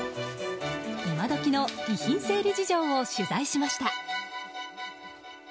今時の遺品整理事情を取材しました。